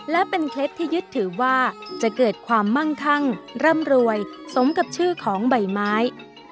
และเป็นเคล็ดที่ยึดถือว่าจะเกิดความมั่งคั่งร่ำรวยสมกับชื่อของใบไม้